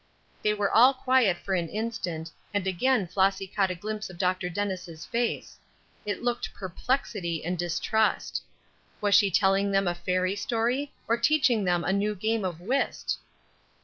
They were all quiet for an instant; and again Flossy caught a glimpse of Dr. Dennis' face. It looked perplexity and distrust. Was she telling them a fairy story, or teaching them a new game of whist?